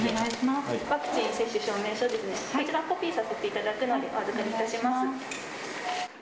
こちら、コピーさせていただくので、お預かりいたします。